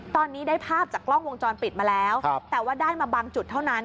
ตอนนี้ได้ภาพจากกล้องวงจรปิดมาแล้วแต่ว่าได้มาบางจุดเท่านั้น